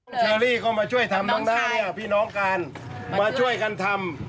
คุณเชอรี่เข้ามาช่วยทำบ้างนะพี่น้องการมาช่วยกันทำ